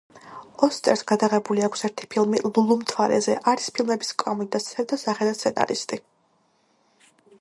ოსტერს გადაღებული აქვს ერთი ფილმი „ლულუ მთვარეზე“, არის ფილმების „კვამლი“ და „სევდა სახეზე“ სცენარისტი.